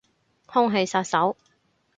空氣殺手